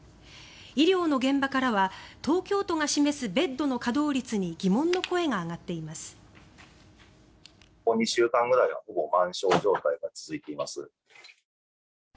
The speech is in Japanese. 医療の現場からは東京都が示すベッドの稼働率に疑問の声が上がっています。